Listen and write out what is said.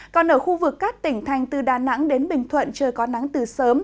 còn ở khu vực các tỉnh thành từ đà nẵng đến bình thuận trời có nắng từ sớm